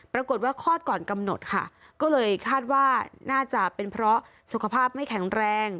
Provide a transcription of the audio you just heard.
ปรากฏว่าคลอดก่อนกำหนดค่ะก็เลยคาดว่าน่าจะเป็นเพราะสุขภาพไม่แข็งแรง